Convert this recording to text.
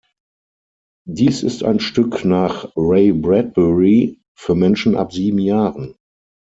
Dies ist ein Stück nach Ray Bradbury "für Menschen ab sieben Jahren".